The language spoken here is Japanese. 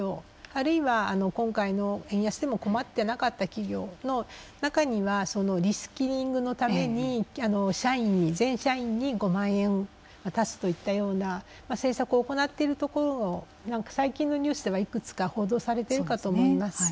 あるいは今回の円安でも困っていなかった企業の中にはそのリスキリングのために全社員に５万円渡すといったような政策を行っているところも最近のニュースでは、いくつか報道されているかと思います。